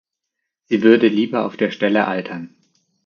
Sie würde lieber auf der Stelle altern.